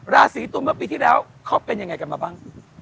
ราศีตุลเมื่อปีที่แล้วเขาเป็นยังไงกันมาบ้าง